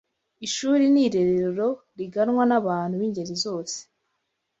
Ishuri ni irerero riganwa n’abantu b’ingeri zose